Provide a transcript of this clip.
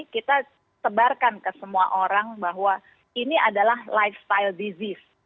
kita sebarkan ke semua orang bahwa ini adalah lifestyle disease